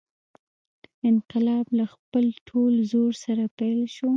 انقلاب له خپل ټول زور سره پیل شو.